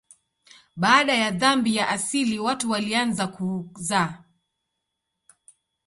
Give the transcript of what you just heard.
Baada ya dhambi ya asili watu walianza kuzaa.